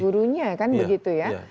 gurunya kan begitu ya